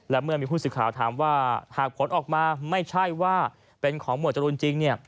และเมื่อมีผู้สื่อข่าวถามว่าหากผลออกมาไม่ใช่ว่าเป็นของหมวดจรูนจริง